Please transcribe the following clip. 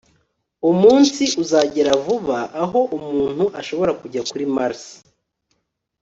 umunsi uzagera vuba aho umuntu ashobora kujya kuri mars